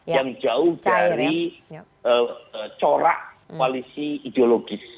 yang jauh dari corak koalisi ideologis